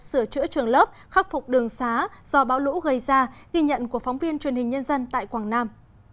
sửa chữa trường lớp khắc phục đường xá do bão lũ gây ra ghi nhận của phóng viên truyền hình nhân dân tại quảng nam